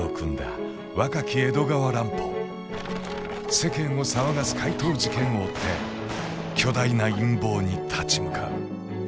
世間を騒がす怪盗事件を追って巨大な陰謀に立ち向かう。